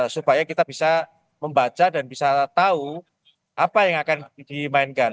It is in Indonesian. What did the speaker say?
supaya kita bisa membaca dan bisa tahu apa yang akan dimainkan